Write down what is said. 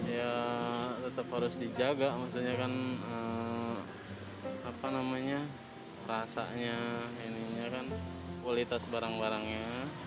ya tetap harus dijaga maksudnya kan apa namanya rasanya ini kan kualitas barang barangnya